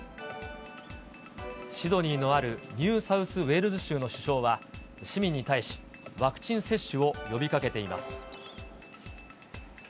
シドニーのあるニューサウスウェールズ州の首相は、市民に対し、ワクチン接種を呼びかけています。